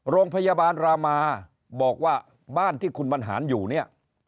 โรงพยาบาลรามาบอกว่าบ้านที่คุณบรรหารอยู่เนี่ย